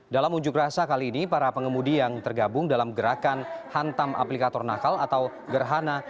dalam unjuk rasa kali ini para pengemudi yang tergabung dalam gerakan hantam aplikator nakal atau gerhana